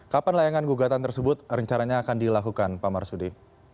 kapan layangan gugatan tersebut rencananya akan dilakukan pak marsudi